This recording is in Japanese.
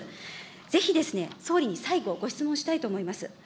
ぜひ総理に最後、ご質問したいと思います。